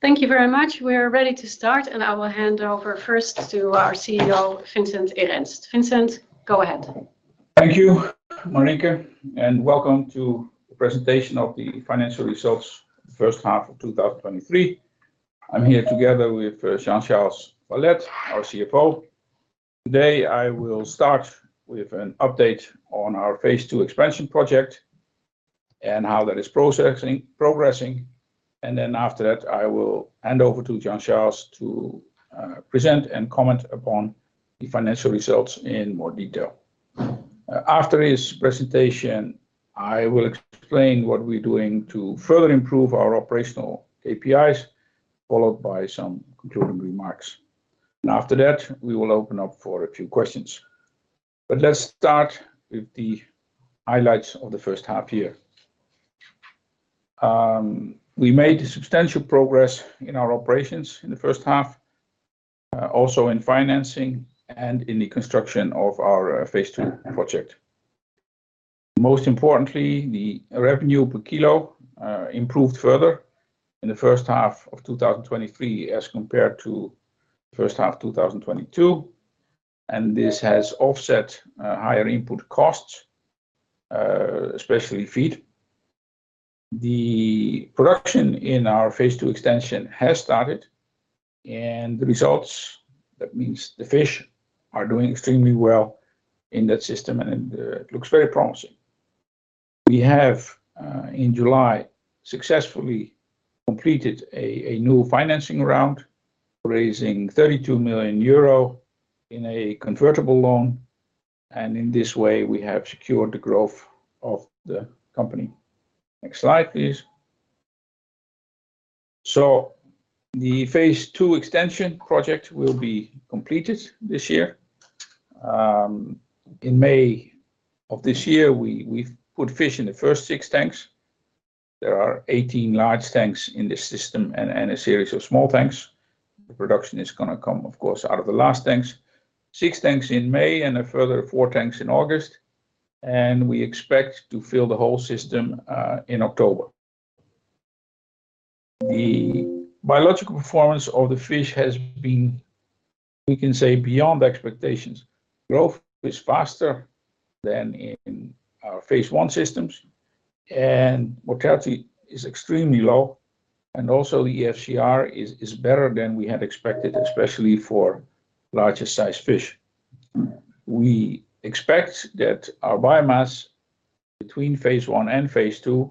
Thank you very much. We are ready to start, and I will hand over first to our CEO, Vincent Erenst. Vincent, go ahead. Thank you, Marieke, and welcome to the presentation of the financial results, first half of 2023. I'm here together with Jean-Charles Valette, our CFO. Today, I will start with an update on our phase II expansion project and how that is progressing. And then after that, I will hand over to Jean-Charles to present and comment upon the financial results in more detail. After his presentation, I will explain what we're doing to further improve our operational APIs, followed by some concluding remarks, and after that, we will open up for a few questions. But let's start with the highlights of the first half year. We made substantial progress in our operations in the first half, also in financing and in the construction of our phase II project. Most importantly, the revenue per kilo, improved further in the first half of 2023, as compared to first half of 2022, and this has offset, higher input costs, especially feed. The production in our phase II extension has started, and the results, that means the fish, are doing extremely well in that system, and it, looks very promising. We have, in July, successfully completed a new financing round, raising 32 million euro in a convertible loan, and in this way, we have secured the growth of the company. Next slide, please. So the phase II extension project will be completed this year. In May of this year, we, we put fish in the first six tanks. There are 18 large tanks in the system and, and a series of small tanks. The production is going to come, of course, out of the last tanks. six tanks in May and a further four tanks in August, and we expect to fill the whole system in October. The biological performance of the fish has been, we can say, beyond expectations. Growth is faster than in our phase I systems, and mortality is extremely low, and also the FCR is better than we had expected, especially for larger-sized fish. We expect that our biomass between phase I and phase II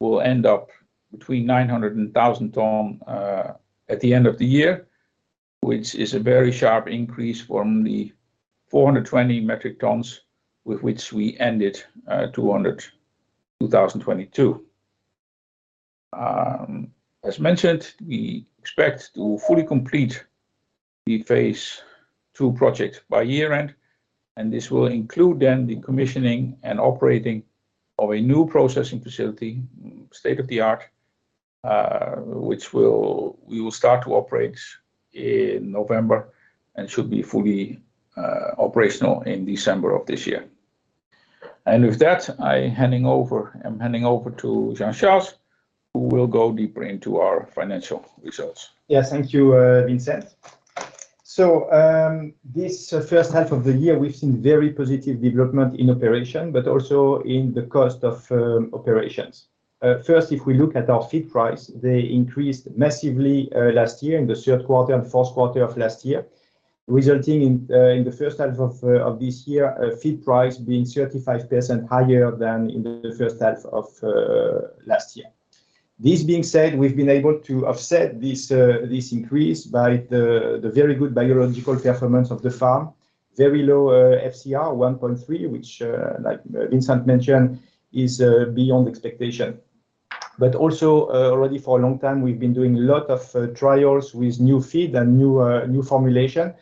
will end up between 900 and 1,000 tons at the end of the year, which is a very sharp increase from the 420 metric tons with which we ended 2022. As mentioned, we expect to fully complete the phase II project by year-end, and this will include then the commissioning and operating of a new processing facility, state-of-the-art, which we will start to operate in November and should be fully operational in December of this year. With that, I'm handing over to Jean-Charles, who will go deeper into our financial results. Yes. Thank you, Vincent. So, this first half of the year, we've seen very positive development in operation, but also in the cost of operations. First, if we look at our feed price, they increased massively last year in the Q3 and Q4 of last year, resulting in the first half of this year, feed price being 35% higher than in the first half of last year. This being said, we've been able to offset this increase by the very good biological performance of the farm. Very low FCR, 1.3, which, like Vincent mentioned, is beyond expectation. But also, already for a long time, we've been doing a lot of trials with new feed and new formulation,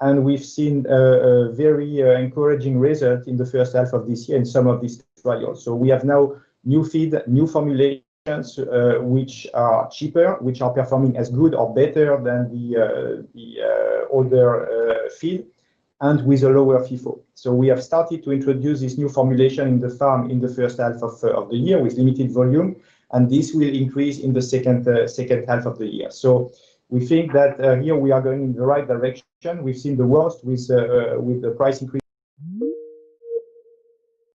and we've seen a very encouraging result in the first half of this year in some of these trials. So we have now new feed, new formulations, which are cheaper, which are performing as good or better than the older feed, and with a lower FIFO. So we have started to introduce this new formulation in the farm in the first half of the year, with limited volume, and this will increase in the second half of the year. So we think that here we are going in the right direction. We've seen the worst with the price increase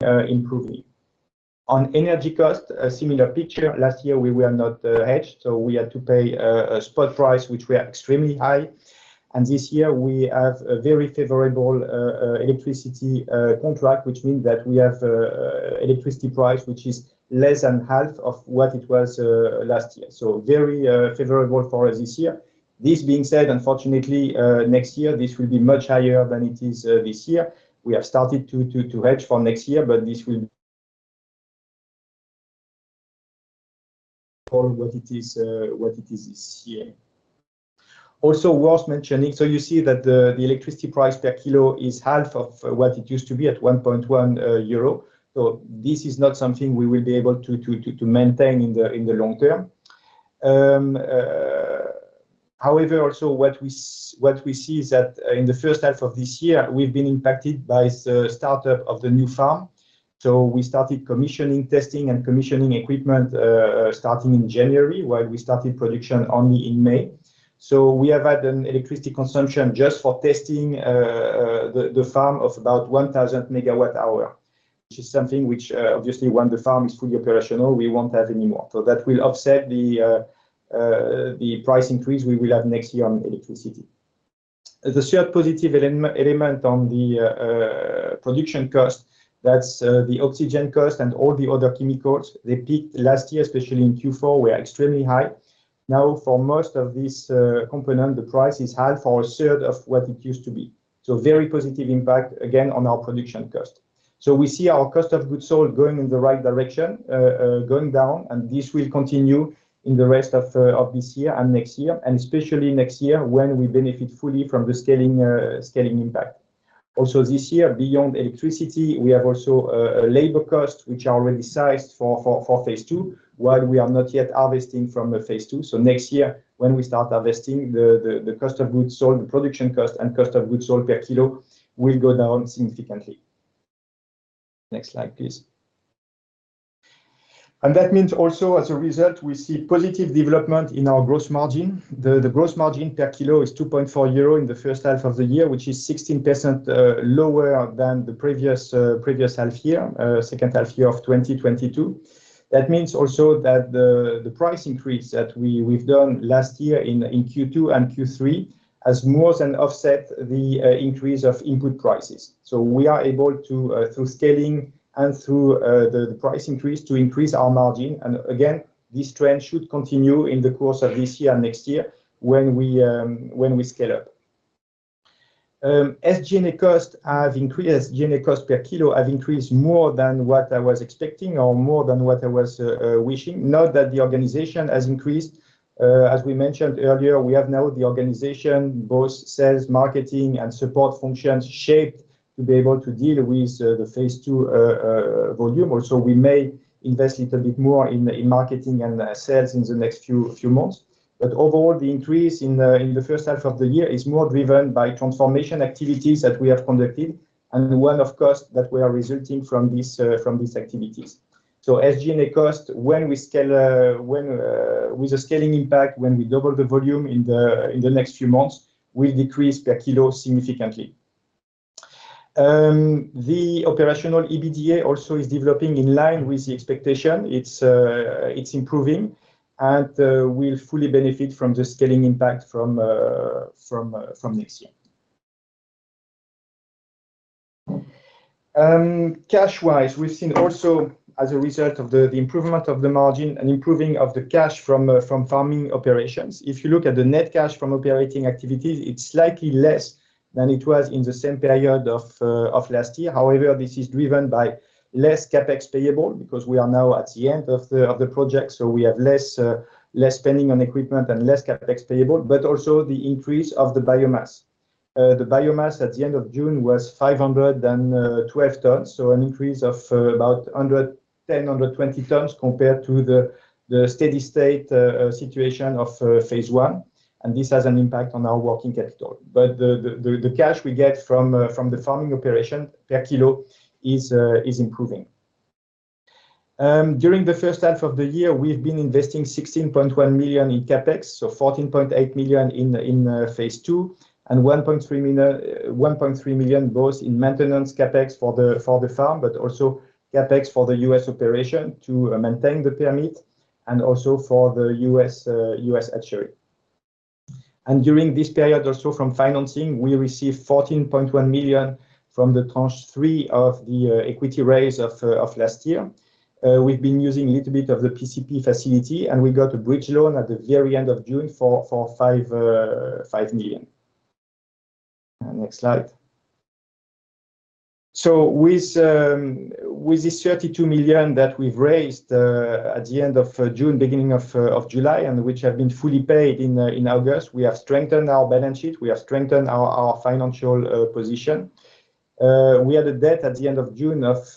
improving. On energy cost, a similar picture. Last year, we were not hedged, so we had to pay a spot price, which were extremely high, and this year we have a very favorable electricity contract, which means that we have a electricity price, which is less than half of what it was last year. So very favorable for us this year. This being said, unfortunately next year, this will be much higher than it is this year. We have started to hedge for next year, but this will... for what it is what it is this year. Also, worth mentioning, so you see that the electricity price per kilo is half of what it used to be at 1.1 euro. So this is not something we will be able to maintain in the long term. However, also what we see is that in the first half of this year, we've been impacted by the startup of the new farm. So we started commissioning, testing, and commissioning equipment, starting in January, while we started production only in May. So we have had an electricity consumption just for testing, the farm of about 1,000 MWh, which is something which, obviously, when the farm is fully operational, we won't have anymore. So that will offset the price increase we will have next year on electricity. The third positive element on the production cost, that's the oxygen cost and all the other chemicals. They peaked last year, especially in Q4, were extremely high. Now, for most of this component, the price is half or a third of what it used to be. So very positive impact, again, on our production cost. So we see our cost of goods sold going in the right direction, going down, and this will continue in the rest of this year and next year, and especially next year when we benefit fully from the scaling scaling impact. Also this year, beyond electricity, we have also a labor cost, which are already sized for phase II, while we are not yet harvesting from the phase II. So next year, when we start harvesting, the cost of goods sold, the production cost, and cost of goods sold per kilo will go down significantly. Next slide, please. That means also, as a result, we see positive development in our gross margin. The gross margin per kilo is 2.4 euro in the first half of the year, which is 16% lower than the previous half year, second half year of 2022. That means also that the price increase that we've done last year in Q2 and Q3 has more than offset the increase of input prices. So we are able to through scaling and through the price increase, to increase our margin. And again, this trend should continue in the course of this year and next year when we scale up. SG&A costs have increased. SG&A costs per kilo have increased more than what I was expecting or more than what I was wishing. Now that the organization has increased, as we mentioned earlier, we have now the organization, both sales, marketing, and support functions, shaped to be able to deal with the phase II volume. Also, we may invest little bit more in the marketing and sales in the next few months. But overall, the increase in the first half of the year is more driven by transformation activities that we have conducted and well, of course, that were resulting from these activities. So as SG&A costs, when we scale, when with the scaling impact, when we double the volume in the next few months, will decrease per kilo significantly. The operational EBITDA also is developing in line with the expectation. It's improving and will fully benefit from the scaling impact from next year. Cash-wise, we've seen also, as a result of the improvement of the margin and improving of the cash from farming operations. If you look at the net cash from operating activities, it's slightly less than it was in the same period of last year. However, this is driven by less CapEx payable because we are now at the end of the project, so we have less spending on equipment and less CapEx payable, but also the increase of the biomass. The biomass at the end of June was 512 tons, so an increase of about 110 tons-120 tons compared to the steady state situation of phase I, and this has an impact on our working capital. But the cash we get from the farming operation per kilo is improving. During the first half of the year, we've been investing 16.1 million in CapEx, so 14.8 million in phase II, and 1.3 million, 1.3 million both in maintenance CapEx for the farm, but also CapEx for the U.S. operation to maintain the permit and also for the U.S. hatchery. During this period, also from financing, we received 14.1 million from tranche three of the equity raise of last year. We've been using a little bit of the PCP facility, and we got a bridge loan at the very end of June for 5 million. Next slide. With this 32 million that we've raised at the end of June, beginning of July, and which have been fully paid in August, we have strengthened our balance sheet, we have strengthened our financial position. We had a debt at the end of June of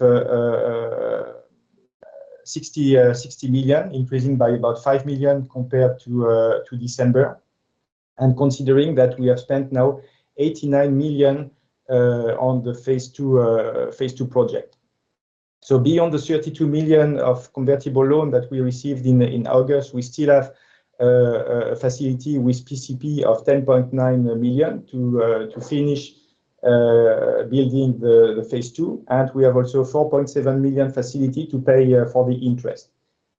60 million, increasing by about 5 million compared to December, and considering that we have spent now 89 million on the phase II project. So beyond the 32 million of convertible loan that we received in August, we still have a facility with PCP of 10.9 million to finish building the phase II, and we have also four point seven million facility to pay for the interest.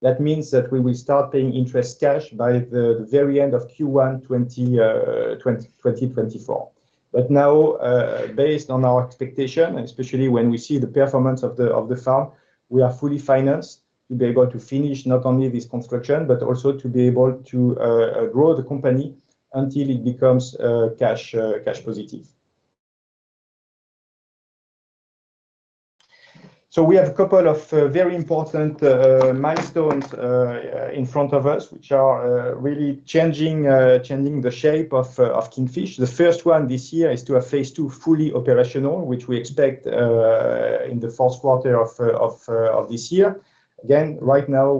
That means that we will start paying interest cash by the very end of Q1 2024. But now, based on our expectation, and especially when we see the performance of the farm, we are fully financed to be able to finish not only this construction, but also to be able to grow the company until it becomes cash positive. So we have a couple of very important milestones in front of us, which are really changing the shape of Kingfish. The first one this year is to have phase II fully operational, which we expect in the Q4 of this year. Again, right now,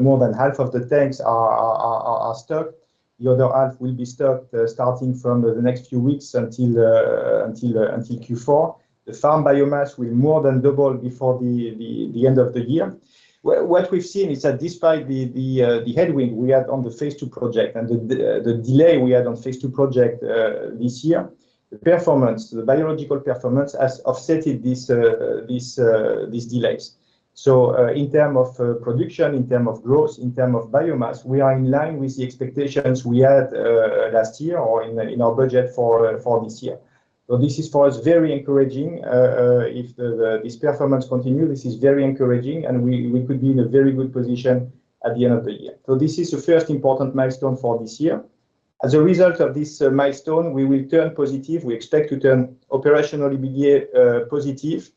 more than half of the tanks are stocked. The other half will be starting from the next few weeks until Q4. The farm biomass will more than double before the end of the year. What we've seen is that despite the headwind we had on the phase II project and the delay we had on phase II project this year, the performance, the biological performance has offset these delays. So, in term of production, in term of growth, in term of biomass, we are in line with the expectations we had last year or in our budget for this year. So this is for us, very encouraging. If this performance continue, this is very encouraging, and we could be in a very good position at the end of the year. So this is the first important milestone for this year. As a result of this milestone, we will turn positive. We expect to turn operationally positive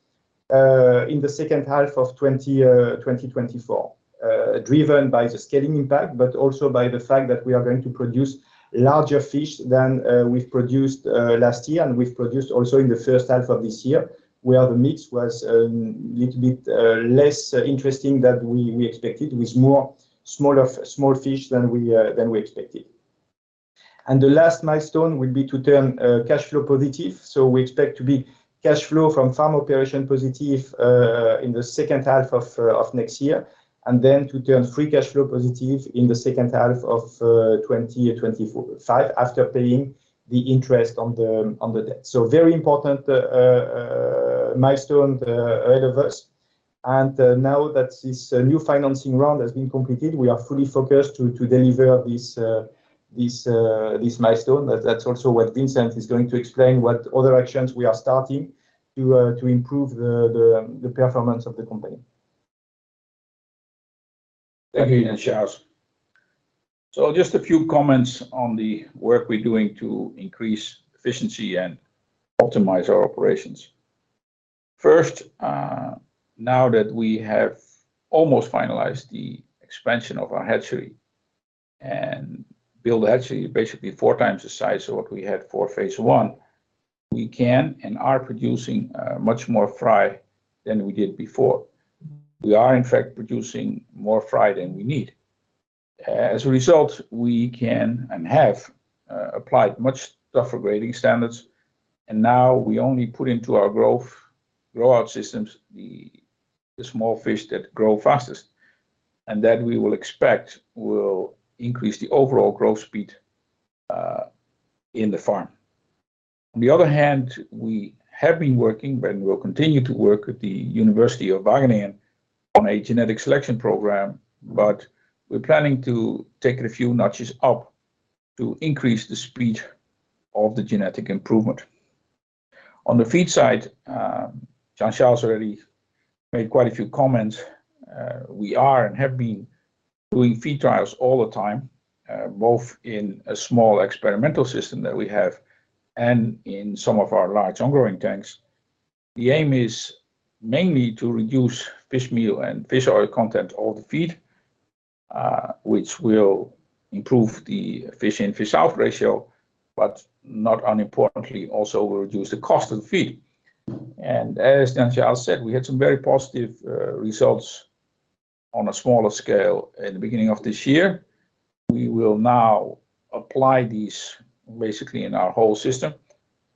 in the second half of 2024, driven by the scaling impact, but also by the fact that we are going to produce larger fish than we've produced last year and we've produced also in the first half of this year, where the mix was little bit less interesting than we expected, with more small fish than we expected. And the last milestone will be to turn cash flow positive. So we expect to be cash flow from farm operation positive in the second half of next year, and then to turn free cash flow positive in the second half of 2024 or 2025, after paying the interest on the debt. So very important milestone ahead of us, and now that this new financing round has been completed, we are fully focused to deliver this milestone. That's also what Vincent is going to explain, what other actions we are starting to improve the performance of the company. Thank you, Jean-Charles. So just a few comments on the work we're doing to increase efficiency and optimize our operations. First, now that we have almost finalized the expansion of our hatchery and build the hatchery, basically four times the size of what we had for phase I, we can and are producing much more fry than we did before. We are in fact producing more fry than we need. As a result, we can and have applied much tougher grading standards, and now we only put into our grow-out systems the small fish that grow fastest, and that we will expect will increase the overall growth speed in the farm. On the other hand, we have been working and will continue to work with the Wageningen University & Research on a genetic selection program, but we're planning to take it a few notches up to increase the speed of the genetic improvement. On the feed side, Jean-Charles already made quite a few comments. We are and have been doing feed trials all the time, both in a small experimental system that we have and in some of our large on-growing tanks. The aim is mainly to reduce fish meal and fish oil content of the feed, which will improve the fish in, fish out ratio, but not unimportantly, also will reduce the cost of the feed. And as Jean-Charles said, we had some very positive results on a smaller scale at the beginning of this year. We will now apply these basically in our whole system,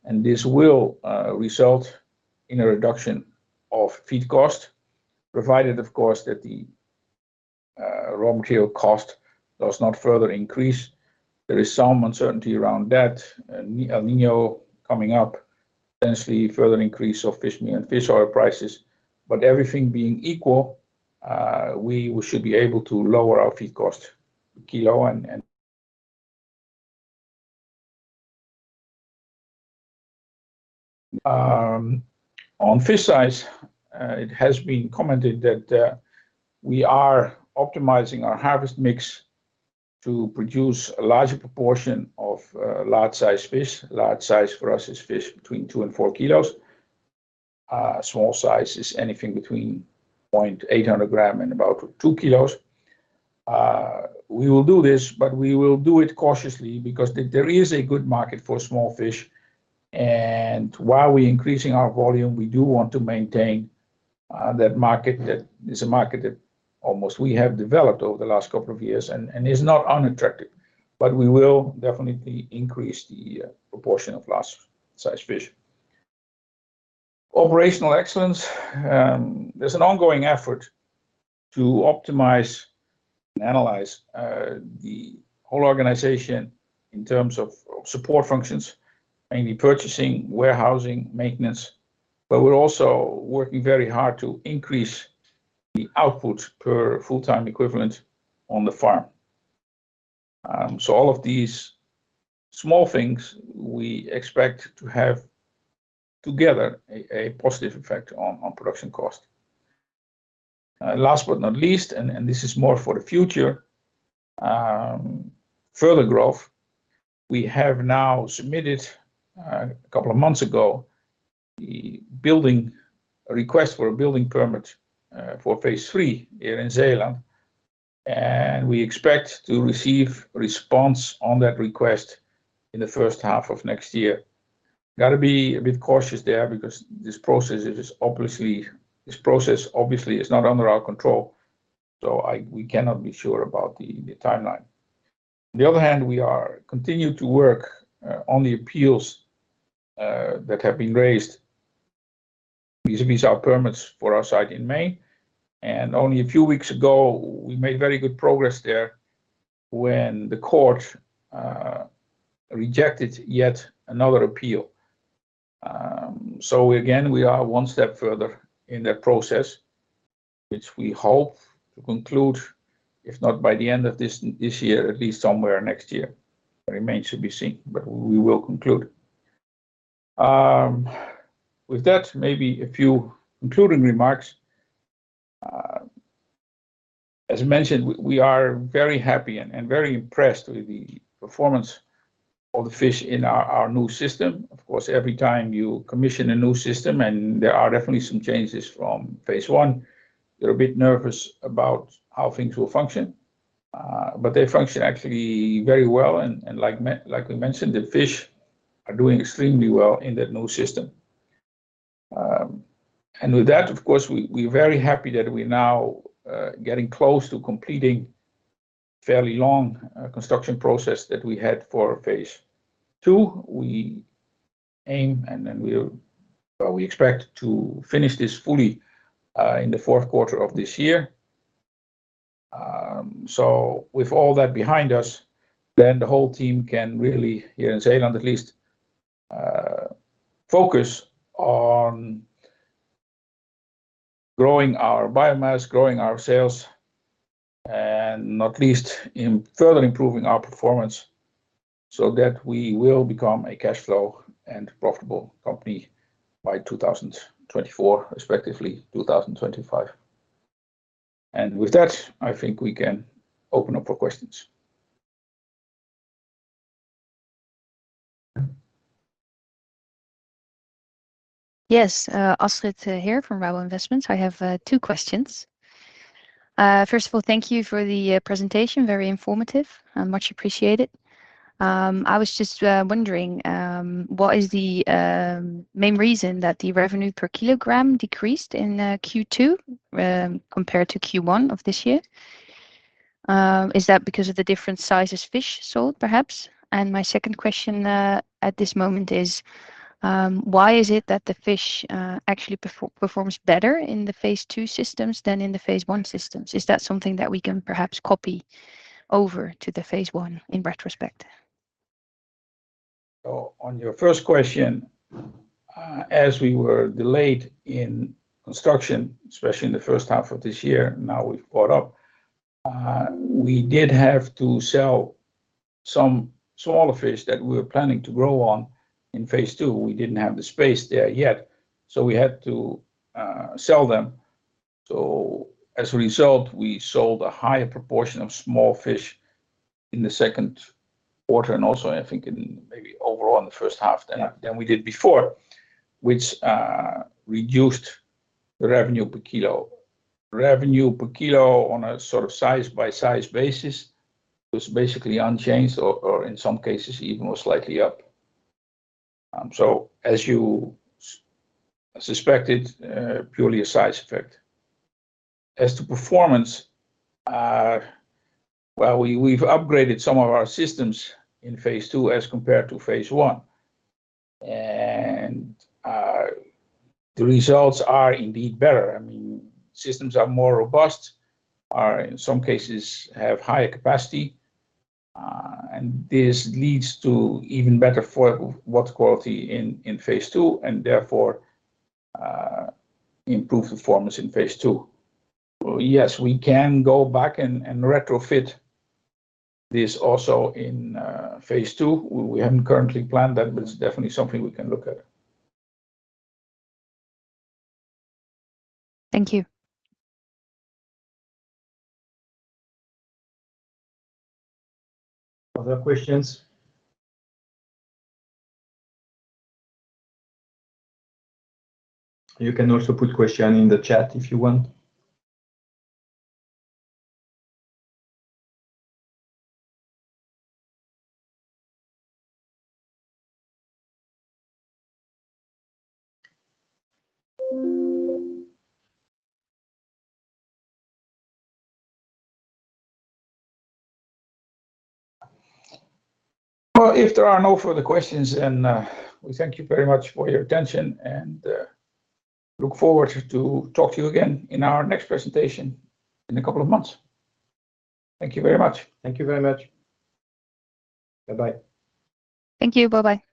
and this will result in a reduction of feed cost, provided of course, that the raw material cost does not further increase. There is some uncertainty around that, and El Niño coming up, potentially further increase of fish meal and fish oil prices, but everything being equal, we should be able to lower our feed cost kilo and on fish size, it has been commented that we are optimizing our harvest mix to produce a larger proportion of large-sized fish. Large size for us is fish between two and four kilos. Small size is anything between 0.8 gram and about two kilos. We will do this, but we will do it cautiously because there is a good market for small fish, and while we're increasing our volume, we do want to maintain that market. That is a market that almost we have developed over the last couple of years and is not unattractive, but we will definitely increase the proportion of large-sized fish. Operational excellence, there's an ongoing effort to optimize and analyze the whole organization in terms of support functions, mainly purchasing, warehousing, maintenance, but we're also working very hard to increase the output per full-time equivalent on the farm. So all of these small things, we expect to have together a positive effect on production cost. Last but not least, and, and this is more for the future, further growth, we have now submitted, a couple of months ago, the building- a request for a building permit, for phase III here in Zeeland, and we expect to receive response on that request in the first half of next year. Gotta be a bit cautious there, because this process is obviously, this process obviously is not under our control, so we cannot be sure about the, the timeline. On the other hand, we are continuing to work, on the appeals, that have been raised vis-a-vis our permits for our site in Maine. And only a few weeks ago, we made very good progress there when the court rejected yet another appeal. So again, we are one step further in that process, which we hope to conclude, if not by the end of this, this year, at least somewhere next year. It remains to be seen, but we will conclude. With that, maybe a few concluding remarks. As mentioned, we, we are very happy and, and very impressed with the performance of the fish in our, our new system. Of course, every time you commission a new system, and there are definitely some changes from phase I, you're a bit nervous about how things will function. But they function actually very well, and, and like me- like we mentioned, the fish are doing extremely well in that new system. And with that, of course, we, we're very happy that we're now getting close to completing fairly long construction process that we had for phase II. We aim, and then we'll... Well, we expect to finish this fully in the Q4 of this year. So with all that behind us, then the whole team can really, here in Zeeland at least, focus on growing our biomass, growing our sales, and not least, in further improving our performance, so that we will become a cash flow and profitable company by 2024, respectively 2025. And with that, I think we can open up for questions. Yes, Erenst here from Rabo Investments. I have two questions. First of all, thank you for the presentation, very informative, and much appreciated. I was just wondering what is the main reason that the revenue per kilogram decreased in Q2 compared to Q1 of this year? Is that because of the different sizes fish sold, perhaps? And my second question at this moment is why is it that the fish actually performs better in the phase II systems than in the phase I systems? Is that something that we can perhaps copy over to the phase I in retrospect? So on your first question, as we were delayed in construction, especially in the first half of this year, now we've caught up. We did have to sell some smaller fish that we were planning to grow on in phase II. We didn't have the space there yet, so we had to sell them. So as a result, we sold a higher proportion of small fish in the Q2, and also, I think in maybe overall in the first half than we did before, which reduced the revenue per kilo. Revenue per kilo on a sort of size-by-size basis was basically unchanged, or in some cases, even most likely up. So as you suspected, purely a size effect. As to performance, well, we, we've upgraded some of our systems in phase II as compared to phase I, and, the results are indeed better. I mean, systems are more robust, are in some cases, have higher capacity, and this leads to even better for water quality in, in phase II, and therefore, improved performance in phase II. Well, yes, we can go back and, and retrofit this also in, phase II. We haven't currently planned that, but it's definitely something we can look at. Thank you. Other questions? You can also put question in the chat if you want. Well, if there are no further questions, then we thank you very much for your attention, and look forward to talk to you again in our next presentation in a couple of months. Thank you very much. Thank you very much. Bye-bye. Thank you. Bye-bye.